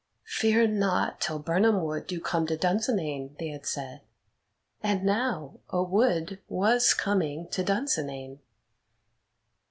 "Fear not till Birnam Wood do come to Dunsinane," they had said. And now a wood was coming to Dunsinane!